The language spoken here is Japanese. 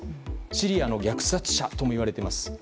シリアの虐殺者ともいわれています。